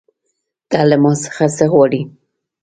ته له ما څخه څه غواړې